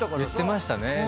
言ってましたね。